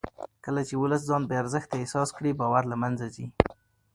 کله چې ولس ځان بې ارزښته احساس کړي باور له منځه ځي